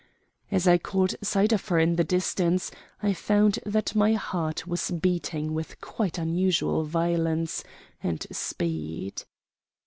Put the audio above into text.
As I caught sight of her in the distance I found that my heart was beating with quite unusual violence and speed.